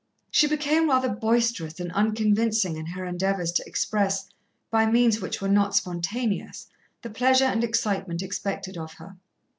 She became rather boisterous and unconvincing in her endeavours to express, by means which were not spontaneous, the pleasure and excitement expected of her.